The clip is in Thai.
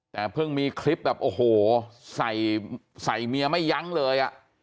แต่เพิ่งมีคลิปแบบโอ้โหใส่เมียไม่ยั้งเลยอ่ะ